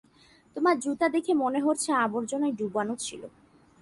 তোমার জুতা দেখে মনে হচ্ছে আবর্জনায় ডুবানো ছিল!